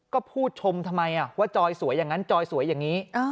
ก็พูดชมทำไมว่าจอยสวยอย่างนั้นจอยสวยอย่างนี้